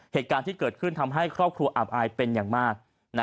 เหตุการณ์ที่เกิดขึ้นทำให้ครอบครัวอับอายเป็นอย่างมาก